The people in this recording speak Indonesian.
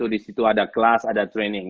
di situ ada kelas ada training